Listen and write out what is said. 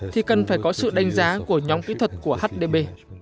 thì cần phải có sự đánh giá của nhóm kỹ thuật của hdb